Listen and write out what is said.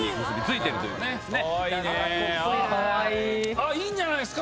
いいんじゃないですか？